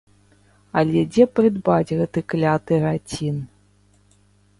Але дзе прыдбаць гэты кляты рацін?